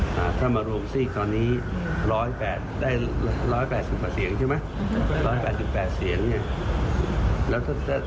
ถ้าจะไปโหวตแข่งกันจะเอาตรงไหนไปแข่งนะครับ